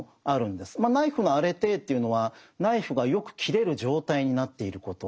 ナイフのアレテーというのはナイフがよく切れる状態になっていること。